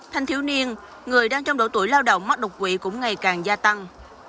thanh thiếu niên người đang trong độ tuổi lao động mắc đột quỵ cũng ngày càng gia tăng